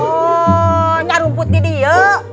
oh nyarung putih dia